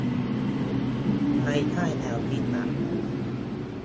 ภายใต้แนวคิดหลัก